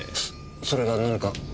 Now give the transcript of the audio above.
それが何か？